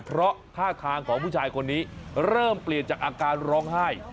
เพราะท่าทางของผู้ชายคนนี้เริ่มเปลี่ยนจากอาการร้องไห้